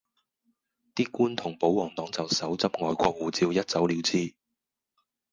啲官同保皇黨就手執外國護照一走了之